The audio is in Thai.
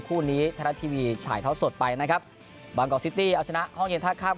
คู่นี้ไทยรัฐทีวีถ่ายเท้าสดไปนะครับบางกอกซิตี้เอาชนะห้องเย็นท่าข้าม